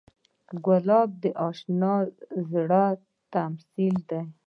ګلاب د اشنا زړه تمثیل دی.